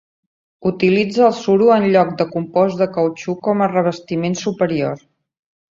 Utilitza el suro en lloc de compost de cautxú com a revestiment superior.